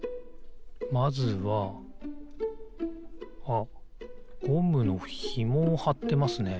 あっゴムのひもをはってますね。